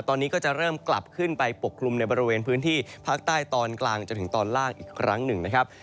ตอนนี้ก็จะเริ่มกลับขึ้นไปปกคลุมในบริเวณพื้นที่ภาคใต้ตอนกลางจนถึงตอนล่างอีกครั้งหนึ่งนะครับ